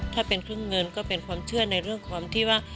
ถ้าเป็นครึ่งเงินก็เป็นความเชื่อในเรื่องความที่ว่า